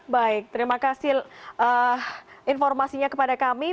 baik terima kasih informasinya kepada kami